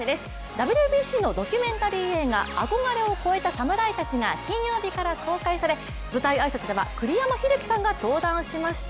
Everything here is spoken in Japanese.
ＷＢＣのドキュメンタリー映画、「憧れを超えた侍たち」が金曜日から公開され、舞台挨拶では栗山英樹さんが登壇しました。